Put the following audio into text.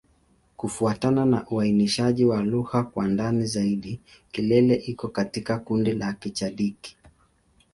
Kufuatana na uainishaji wa lugha kwa ndani zaidi, Kilele iko katika kundi la Kichadiki.